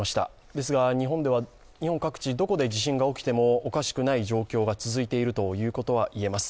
ですが日本各地、どこで地震が起きてもおかしくない状況が続いているということはいえます。